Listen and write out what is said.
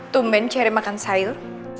tumben ceri makan sayur